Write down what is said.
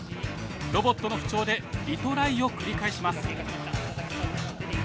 ロボットの不調でリトライを繰り返します。